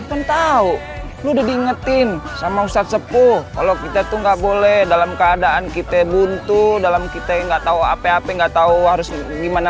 enggak boleh dalam keadaan kita buntu dalam kita yang enggak tahu apa apa enggak tahu harus gimana